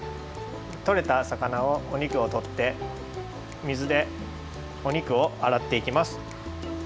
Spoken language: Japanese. とれた魚をおにくをとって水でおにくをあらっていきます。